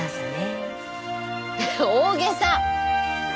大げさ！